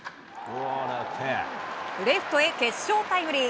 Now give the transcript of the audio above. レフトへ決勝タイムリー。